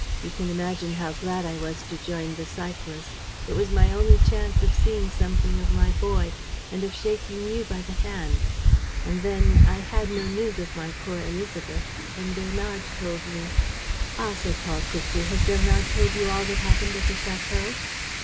You can imagine how glad I was to join the cyclists. It was my only chance of seeing something of my boy and of shaking you by the hand. ... And then I had no news of my poor Élisabeth; and Bernard told me. ..." "Ah," said Paul quickly, "has Bernard told you all that happened at the château?"